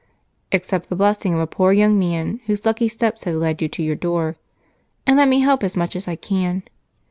"Accept the blessing of a poor young man, Whose lucky steps have led him to your door, and let me help as much as I can.